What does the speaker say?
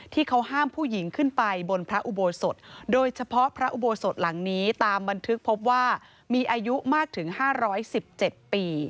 ที่เขาห้ามผู้หญิงขึ้นไปบนพระอุโบสถโดยเฉพาะพระอุโบสถหลังนี้ตามบันทึกพบว่ามีอายุมากถึง๕๑๗ปี